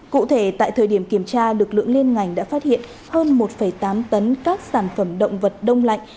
cụ thể tại thời điểm kiểm tra lực lượng liên ngành đã phát hiện hơn một tám tấn các sản phẩm động vật đông lạnh